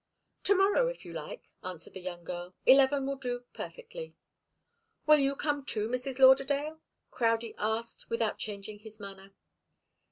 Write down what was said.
"To morrow, if you like," answered the young girl. "Eleven will do perfectly." "Will you come too, Mrs. Lauderdale?" Crowdie asked, without changing his manner.